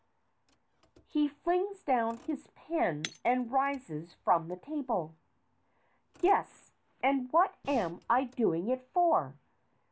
(He flings down his pen and rises from the table.) Yes, and what am I doing it for